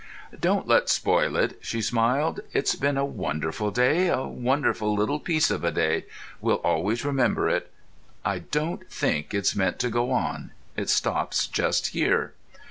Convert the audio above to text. "Don't let's spoil it," she smiled. "It's been a wonderful day—a wonderful little piece of a day. We'll always remember it. I don't think it's meant to go on; it stops just here."